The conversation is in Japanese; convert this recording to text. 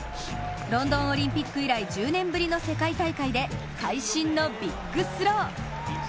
ロンドンオリンピック以来１０年ぶりの世界大会で会心のビッグスロー。